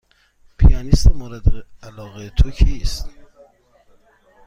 پیانیست مورد علاقه تو کیست؟